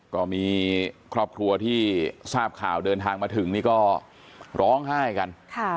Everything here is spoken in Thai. ก็มีครอบครัวที่ทราบข่าวเดินทางมาถึงนี่ก็ร้องไห้กัน